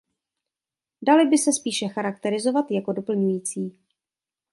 Dali by se spíše charakterizovat jako doplňující.